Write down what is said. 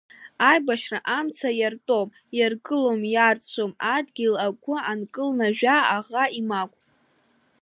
Аибашьра амца иартәом, иаргылом, иарцәом, адгьыл агәы анкылнажәа аӷа имагә…